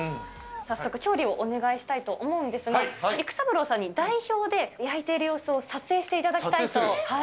早速調理をお願いしたいと思うんですが、育三郎さんに、代表で焼いている様子を撮影していただきたいと。